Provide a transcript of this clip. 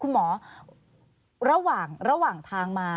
คุณหมอระหว่างทางมา